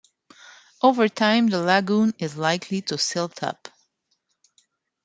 Over time the lagoon is likely to silt up.